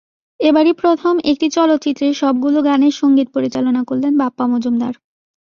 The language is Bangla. এবারই প্রথম একটি চলচ্চিত্রের সবগুলো গানের সংগীত পরিচালনা করলেন বাপ্পা মজুমদার।